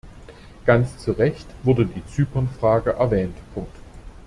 Ganz zu Recht wurde die Zypernfrage erwähnt.